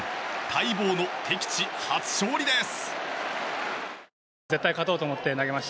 待望の敵地初勝利です。